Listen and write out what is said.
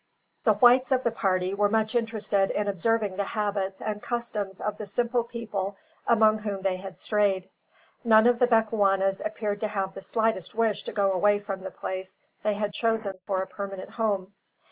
The whites of the party were much interested in observing the habits and customs of the simple people among whom they had strayed. None of the Bechuanas appeared to have the slightest wish to go away from the place they had chosen for a permanent home.